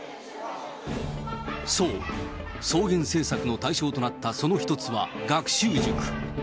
そう、双減政策の対象となったその１つは、学習塾。